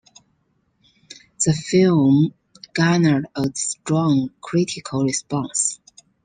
The film garnered a strong critical response.